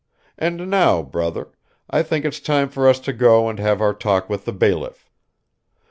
And now, brother, I think it's time for us to go and have our talk with the bailiff."